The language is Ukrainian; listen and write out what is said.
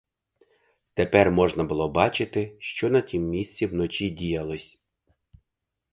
Тепер можна було бачити, що на тім місці вночі діялось.